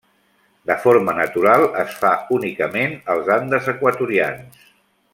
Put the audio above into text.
De forma natural es fa únicament als Andes equatorians.